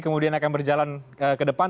kemudian akan berjalan ke depan